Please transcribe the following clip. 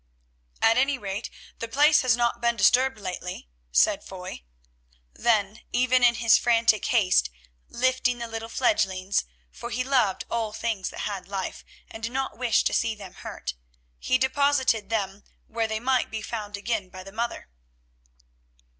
"At any rate the place has not been disturbed lately," said Foy. Then, even in his frantic haste, lifting the little fledglings—for he loved all things that had life, and did not wish to see them hurt—he deposited them where they might be found again by the mother.